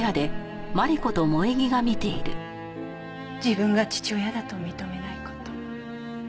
自分が父親だと認めない事。